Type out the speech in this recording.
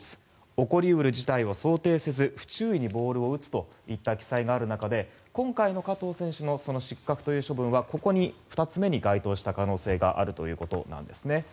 起こり得る事態を想定せず不注意にボールを打つという記載がある中で今回の加藤選手の失格という処分はここ、２つ目に該当した可能性があるということなんですね。